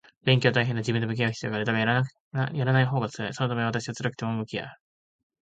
勉強は大変だ。自分と向き合う必要がある。だが、やらないほうが辛い。そのため私は辛くても向き合う